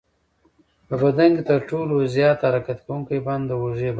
په بدن کې تر ټولو زیات حرکت کوونکی بند د اوږې بند دی.